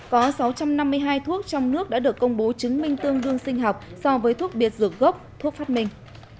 có sáu trăm năm mươi hai thuốc trong nước đã được công bố chứng minh tương đương sinh học so với thuốc biệt dược gốc thuốc phát minh